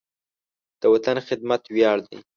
د وطن خدمت ویاړ دی.